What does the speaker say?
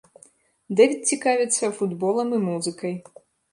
Дэвід цікавіцца футболам і музыкай.